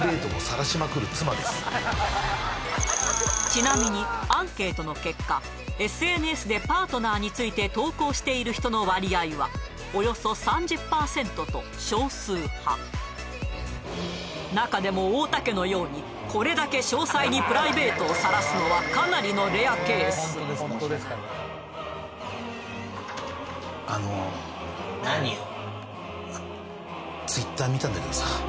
ちなみにアンケートの結果ＳＮＳでパートナーについて投稿している人の割合はおよそ３０％と少数派中でも太田家のようにこれだけ詳細にプライベートをさらすのはかなりのレアケースあの何よ